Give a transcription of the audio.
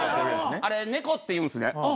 あれネコっていうんすね